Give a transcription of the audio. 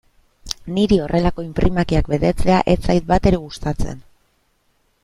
Niri horrelako inprimakiak betetzea ez zait batere gustatzen.